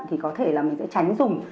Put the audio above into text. thì có thể là mình sẽ tránh dùng